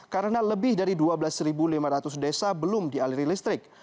karena lebih dari dua belas lima ratus desa belum dialiri listrik